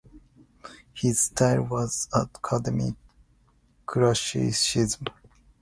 His style was academic classicism.